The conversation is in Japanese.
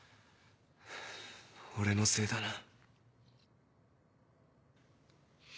俺のせいだな。